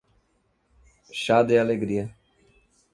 Chã de Alegria